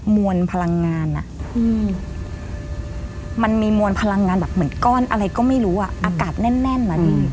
มันมีมวลพลังงานแบบเหมือนก้อนอะไรก็ไม่รู้อ่ะอากาศแน่นแน่นมาดี